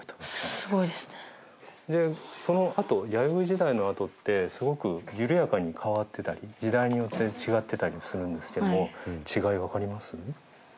そのあと弥生時代のあとってすごく緩やかに変わってたり時代によって違ってたりするんですけども違いわかります？